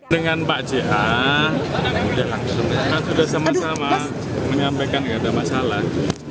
dengan pak ja sudah sama sama menyampaikan tidak ada masalah